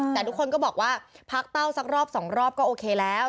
แต่ทุกคนก็บอกว่าพักเต้าสักรอบสองรอบก็โอเคแล้ว